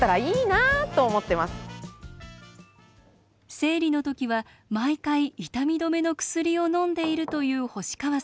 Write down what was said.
生理の時は毎回痛み止めの薬をのんでいるという星川さん。